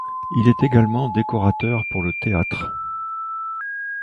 Il est également décorateur pour le théâtre.